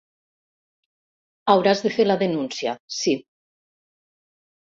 Hauràs de fer la denúncia, sí.